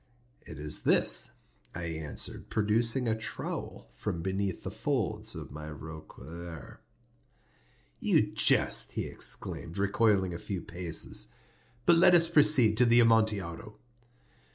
"It is this," I answered, producing a trowel from beneath the folds of my roquelaire. "You jest," he exclaimed, recoiling a few paces. "But let us proceed to the Amontillado."